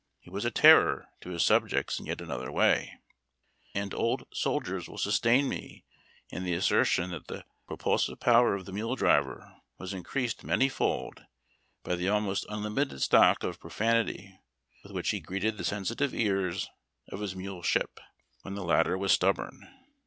He was a terror to his subjects in yet another way : and old soldiers will sustain me in the asser tion that the propulsive power of the mule driver was increased many fold by the almost unlimited stock of pro fanity with which he greeted the sensitive ears of his mule ship when the latter was stubborn.